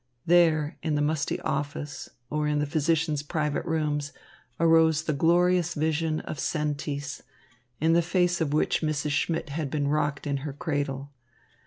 There, in the musty office, or in the physicians' private rooms, arose the glorious vision of Sentis, in the face of which Mrs. Schmidt had been rocked in her cradle.